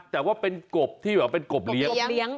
แต่ว่าเป็นกบที่แบบเป็นกบเลี้ยง